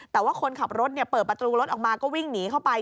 แต่ว่าคนขับรถเปิดประตูรถออกมาก็วิ่งหนีเข้าไป